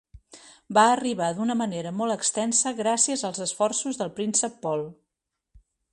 Va arribar d'una manera molt extensa gràcies als esforços del príncep Paul.